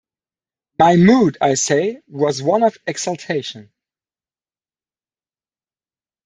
My mood, I say, was one of exaltation.